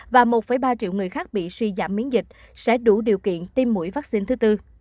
và một ba triệu người khác bị suy giảm miễn dịch sẽ đủ điều kiện tiêm mũi vắc xin thứ bốn